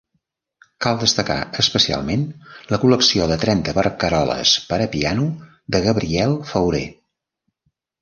Cal destacar especialment la col·lecció de trenta barcaroles per a piano de Gabriel Fauré.